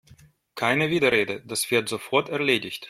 Keine Widerrede, das wird sofort erledigt!